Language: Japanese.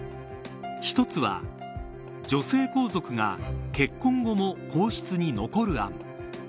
１つは女性皇族が結婚後も皇室に残る案。